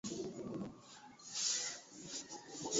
nywele za aina zote mtindo vibutu za kimasai